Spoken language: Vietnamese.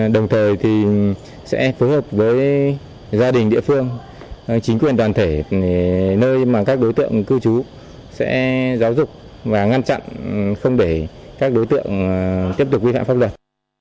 đồng thời thì sẽ phối hợp với gia đình địa phương chính quyền đoàn thể nơi mà các đối tượng cư trú sẽ giáo dục và ngăn chặn không để các đối tượng tiếp tục vi phạm pháp luật